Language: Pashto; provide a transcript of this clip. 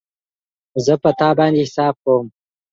زه په تا باندی حساب کوم